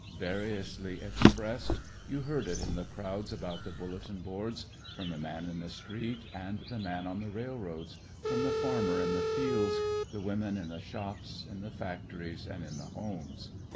Variously expressed, you heard it in the crowds about the bulletin boards, from the man in the street and the man on the railroads, from the farmer in the fields, the women in the shops, in the factories, and in the homes.